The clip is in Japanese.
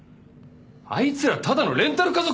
あいつらただのレンタル家族だろ。